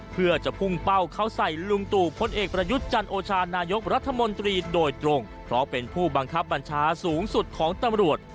เพื่อจะพุ่งเป้าเข้าใส่ลุงตู่พลเอกประยุทธ์จันโอชานายกรัฐมนตรีโดยตรงเพราะเป็นผู้บังคับบัญชาสูงสุดของตำรวจ